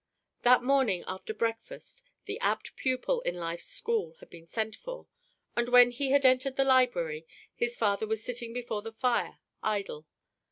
That morning after breakfast the apt pupil in Life's School had been sent for, and when he had entered the library, his father was sitting before the fire, idle.